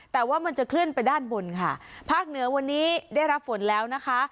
แต่ว่ามันจะเคลื่อนไปด้านบนค่ะภาคเหนือวันนี้ได้รับฝนแล้วนะคะ